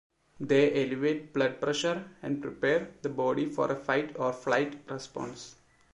They elevate blood pressure and prepare the body for a fight or flight response.